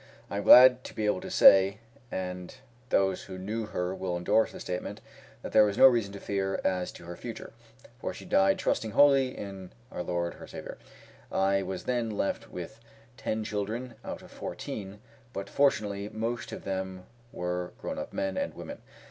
I am glad to be able to say, and those who knew her will endorse the statement, that there was no reason to fear as to her future, for she died trusting wholly in our Lord her Saviour. I was then left with ten children out of fourteen, but fortunately most of them were grown up men and women.